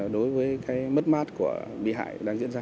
đối với mất mát của bị hại